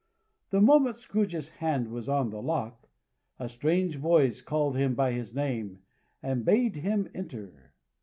The moment Scrooge's hand was on the lock, a strange voice called him by his name, and bade him enter.